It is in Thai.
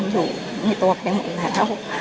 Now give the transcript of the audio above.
อยู่ในตัวเพียงหมดแล้ว